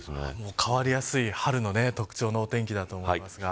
変わりやすい春の特徴のお天気だと思いますが。